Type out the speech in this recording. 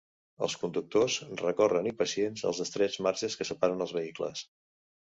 Els conductors recorren impacients els estrets marges que separen els vehicles.